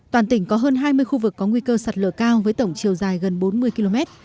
toàn tỉnh có hơn hai mươi khu vực có nguy cơ sạt lở cao với tổng chiều dài gần bốn mươi km